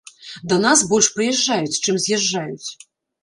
Да нас больш прыязджаюць, чым з'язджаюць.